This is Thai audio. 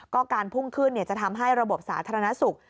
ก็การพุ่งขึ้นจะทำให้ระบบสาธารณสุข